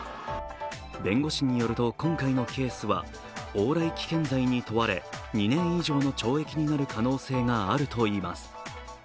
弁護士によると、今回のケースは往来危険罪に問われ、２年以上の懲役になる可能性があるといいます。